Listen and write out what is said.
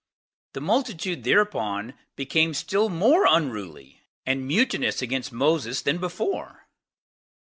The multitude thereupon became still more unruly, and mutinous against Moses than before.